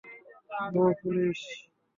ওহ, police?